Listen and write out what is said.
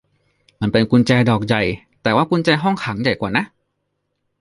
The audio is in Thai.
มันเป็นกุญแจดอกใหญ่ แต่ว่ากุญแจห้องขังใหญ่กว่านะ